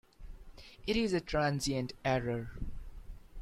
It is a transient error.